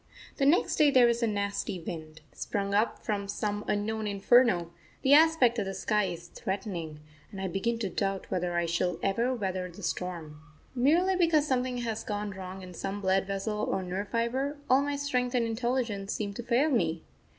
The next day there is a nasty wind, sprung up from some unknown inferno, the aspect of the sky is threatening, and I begin to doubt whether I shall ever weather the storm. Merely because something has gone wrong in some blood vessel or nerve fibre, all my strength and intelligence seem to fail me.